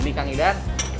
ini kang idan